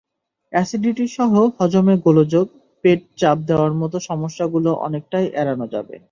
অ্যাসিডিটিসহ হজমে গোলযোগ, পেট চাপ দেওয়ার মতো সমস্যাগুলো অনেকটাই এড়ানো যাবে।